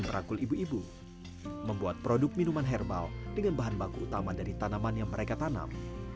merangkul ibu ibu membuat produk minuman herbal dengan bahan baku utama dari tanaman yang mereka tanam